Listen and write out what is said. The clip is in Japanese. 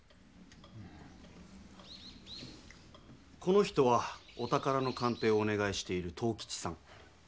この人はお宝の鑑定をおねがいしている藤吉さん。